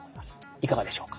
いかがでしょうか？